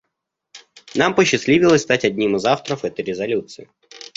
Нам посчастливилось стать одним из авторов этой резолюции.